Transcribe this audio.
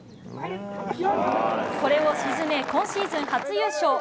これを沈め、今シーズン初優勝。